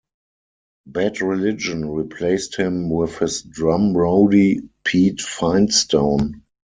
Bad Religion replaced him with his drum roadie, Pete Finestone.